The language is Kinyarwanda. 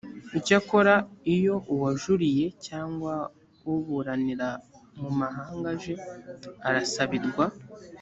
icyakora iyo uwajuriye cyangwa uburanira mumahanga aje arasabirwa